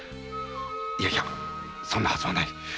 いやいやそんなはずはない。